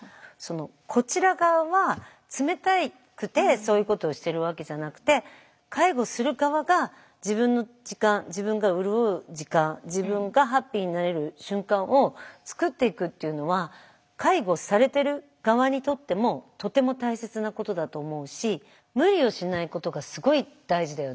こちら側は冷たくてそういうことをしてるわけじゃなくて介護する側が自分の時間自分が潤う時間自分がハッピーになれる瞬間をつくっていくっていうのは介護されてる側にとってもとても大切なことだと思うし無理をしないことがすごい大事だよね。